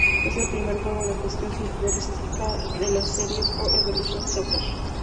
Es el primer juego de gestión futbolística de la serie "Pro Evolution Soccer".